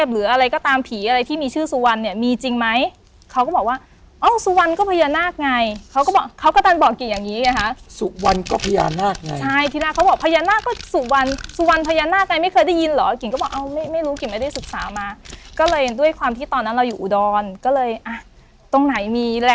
หรืออะไรก็ตามผีอะไรที่มีชื่อสุวรรณเนี่ยมีจริงไหมเขาก็บอกว่าเอ้าสุวรรณก็พญานาคไงเขาก็บอกเขากระตันบอกกิ่งอย่างนี้ไงคะสุวรรณก็พญานาคไงใช่ที่แรกเขาบอกพญานาคก็สุวรรณสุวรรณพญานาคไงไม่เคยได้ยินเหรอกิ่งก็บอกเอาไม่รู้กิ่งไม่ได้ศึกษามาก็เลยด้วยความที่ตอนนั้นเราอยู่อุดรก็เลยอ่ะตรงไหนมีอะไร